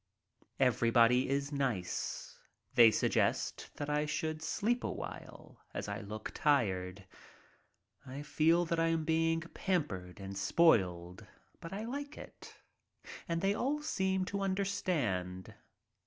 Everybody is nice. They suggest that I should sleep awhile, as I look tired. I feel that I am being pampered and spoiled. But I like it. And they all seem to understand.